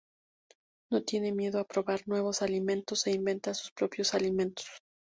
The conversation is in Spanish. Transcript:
No tiene miedo a probar nuevos alimentos e inventa sus propios alimentos.